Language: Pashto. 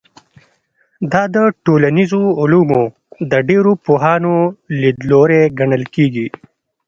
دا د ټولنیزو علومو د ډېرو پوهانو لیدلوری ګڼل کېږي.